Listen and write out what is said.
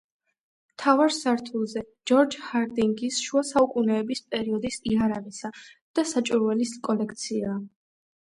მთავარ სართულზე ჯორჯ ჰარდინგის შუასაუკუნეების პერიოდის იარაღისა და საჭურველის კოლექციაა.